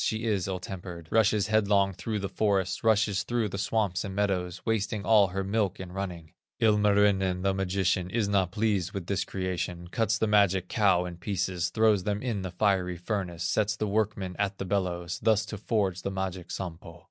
she is ill tempered, Rushes headlong through the forest, Rushes through the swamps and meadows, Wasting all her milk in running. Ilmarinen, the magician, Is not pleased with this creation, Cuts the magic cow in pieces, Throws them in the fiery furnace, Sets the workmen at the bellows, Thus to forge the magic Sampo.